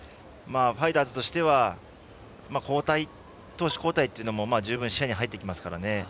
ファイターズとしては投手交代というのも十分、視野に入ってきますからね。